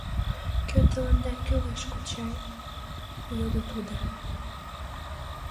— Кӧ тыланда кӱлеш, кочай? — йодо тудо.